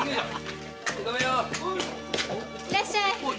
いらっしゃい！